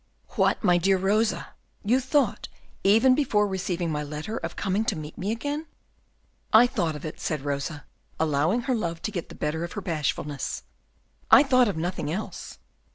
"What, my dear Rosa, you thought, even before receiving my letter, of coming to meet me again?" "If I thought of it," said Rosa, allowing her love to get the better of her bashfulness, "I thought of nothing else."